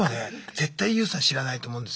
絶対ＹＯＵさん知らないと思うんですよ。